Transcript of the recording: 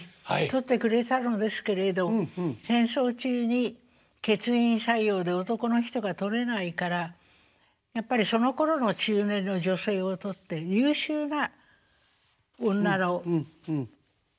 採ってくれたのですけれど戦争中に欠員採用で男の人が採れないからやっぱりそのころの中年の女性を採って優秀な女の編集者とか